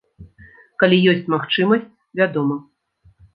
Калі ёсць магчымасць, вядома.